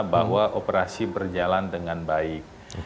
bahwa operasi berjalan dengan baik